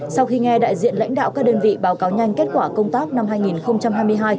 sau khi nghe đại diện lãnh đạo các đơn vị báo cáo nhanh kết quả công tác năm hai nghìn hai mươi hai